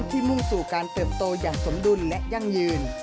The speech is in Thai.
มุ่งสู่การเติบโตอย่างสมดุลและยั่งยืน